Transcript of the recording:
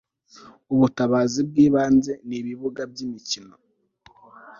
ubutabazi bw ibanze n ibibuga by imikino